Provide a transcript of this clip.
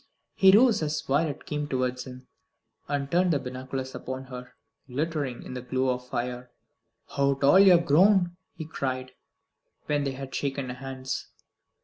He rose as Violet came towards him, and turned the binoculars upon her, glittering in the glow of the fire. "How tall you have grown," he cried, when they had shaken hands.